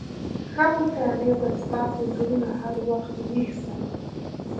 ښه مطالعه به ستاسي زړونه هر وخت ويښ ساتي.